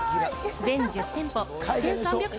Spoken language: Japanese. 全１０店舗１３００